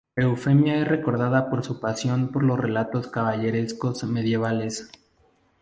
Eufemia es recordada por su pasión por los relatos caballerescos medievales.